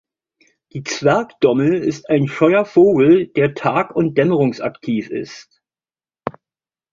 Die Zwergdommel ist ein scheuer Vogel, der tag- und dämmerungsaktiv ist.